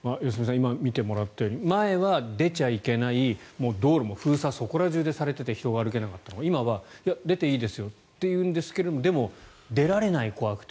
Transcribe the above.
今見てもらったとおり前は出ちゃいけない道路も封鎖をそこら中でされていて人が歩けなかったのが今は出ていいですよと言うんですがでも、出られない、怖くて。